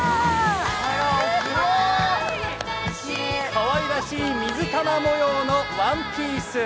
かわいらしい水玉模様のワンピース。